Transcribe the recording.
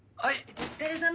お疲れさま。